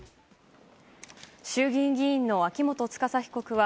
衆議院議員の秋元司被告は